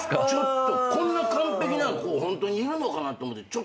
こんな完璧な子ホントにいるのかなと思ってちょっと心配。